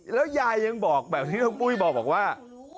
แล้วยายยังบอกแบบที่น้องปุ้ยบอกว่า